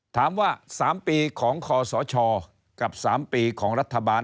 ถามว่า๓ปีของคอสชกับ๓ปีของรัฐบาล